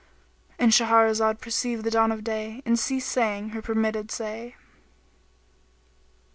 "—And Shahrazad perceived the dawn of day and ceased saying her permitted say.